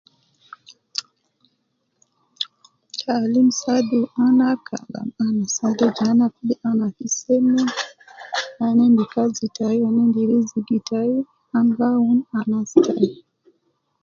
Taalim saadu ana Kalam ana saade je ana fi de ana fi seme, ana endi kazi tayi wu ana endi rizigi tayi ana gi awunu anas tayi.